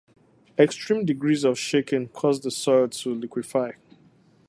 Extreme degrees of shaking caused the soil to liquefy.